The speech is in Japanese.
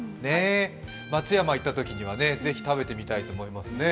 松山に行ったときにはぜひ食べてみたいと思います。